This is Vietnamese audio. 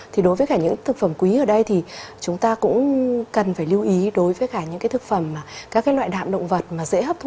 thì đối với cả những thực phẩm quý ở đây thì chúng ta cũng cần phải lưu ý đối với cả những cái thực phẩm các cái loại đạm động vật mà dễ hấp